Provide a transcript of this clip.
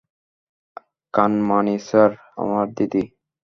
Kanmani sir, আমার দিদি।